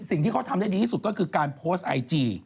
สิ่งที่เขาทำได้ดีที่สุดก็คือการโพสต์ไอจี